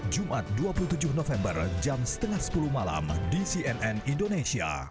jumat dua puluh tujuh november jam setengah sepuluh malam di cnn indonesia